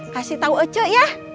kasih tau ece ya